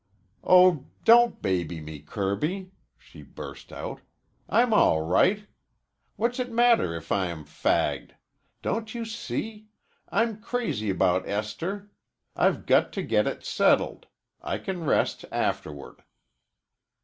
"Oh, don't baby me, Kirby!" she burst out. "I'm all right. What's it matter if I am fagged. Don't you see? I'm crazy about Esther. I've got to get it settled. I can rest afterward."